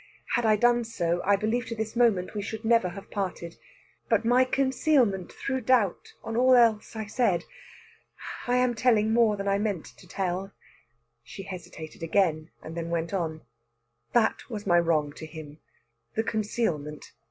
Had I done so, I believe to this moment we should never have parted. But my concealment threw doubt on all else I said.... I am telling more than I meant to tell." She hesitated again, and then went on. "That was my wrong to him the concealment.